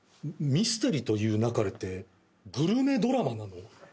『ミステリと言う勿れ』ってグルメドラマなの？